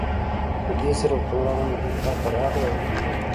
دې سره حکمران هم د دوی خواته راغی او ورته یې وویل.